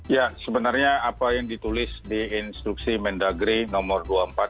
ya sebenarnya apa yang ditulis di instruksi mendagri nomor dua ratus empat puluh dua ribu lima ratus dua puluh enam